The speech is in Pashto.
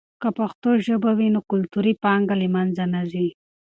که پښتو ژبه وي، نو کلتوري پانګه له منځه نه ځي.